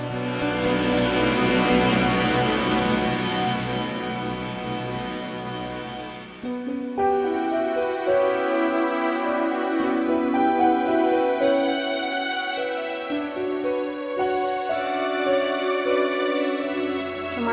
dalam setiap rumah